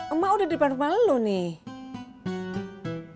emak udah di depan rumah lo nih